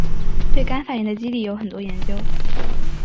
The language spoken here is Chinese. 对该反应的机理有很多研究。